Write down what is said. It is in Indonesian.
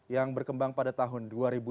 yang berkembang pada tahun dua ribu dua puluh